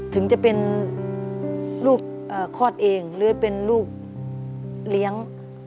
ถึงจะเป็นลูกคลอดเองหรือเป็นลูกเลี้ยง